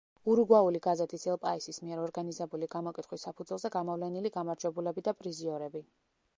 ურუგვაული გაზეთის „ელ პაისის“ მიერ ორგანიზებული გამოკითხვის საფუძველზე გამოვლენილი გამარჯვებულები და პრიზიორები.